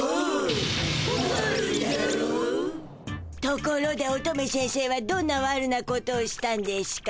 ところで乙女先生はどんなわるなことをしたんでしゅか？